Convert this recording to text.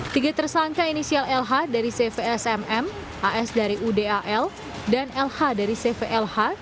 tiga tersangka inisial lh dari cvsmm as dari udal dan lh dari cvlh